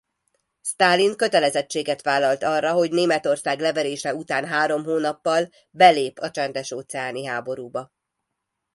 Sztálin kötelezettséget vállalt arra hogy Németország leverése után három hónappal belép a csendes-óceáni háborúba.